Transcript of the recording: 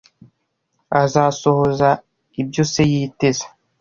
Azasohoza ibyo se yiteze.